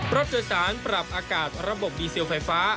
รถโดยสารปรับอากาศระบบดีเซลไฟฟ้า